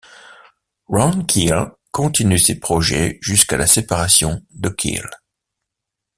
Ron Keel continue ses projets jusqu'à la séparation de Keel.